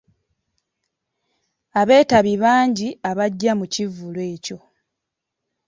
Abeetabi bangi abajja mu kivvulu ekyo.